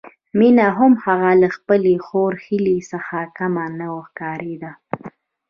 مينه هم هغه له خپلې خور هيلې څخه کمه نه ښکارېده